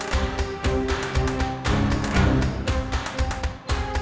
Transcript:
tasik tasik tasik